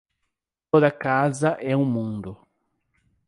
Toda casa é um mundo.